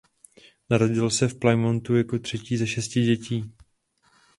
Narodil se v Plymouthu jako třetí ze šesti dětí.